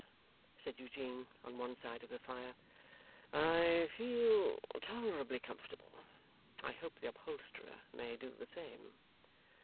said Eugene, on one side of the fire, 'I feel tolerably comfortable. I hope the upholsterer may do the same.